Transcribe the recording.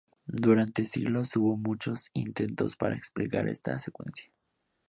Durante siglos hubo muchos intentos para explicar esta secuencia.